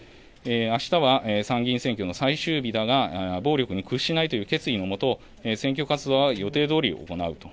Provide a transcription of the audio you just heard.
あしたは参議院選挙の最終日だが、暴力に屈しないという決意のもと、選挙活動は予定どおり行うと。